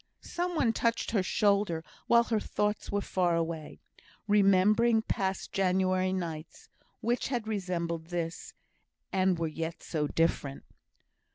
Some one touched her shoulder while her thoughts were far away, remembering past January nights, which had resembled this, and were yet so different.